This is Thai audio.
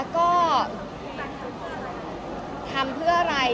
ก็ทำเพื่ออะไร